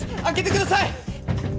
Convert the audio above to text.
開けてください！